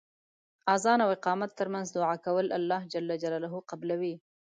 اذان او اقامت تر منځ دعا کول الله ج قبلوی .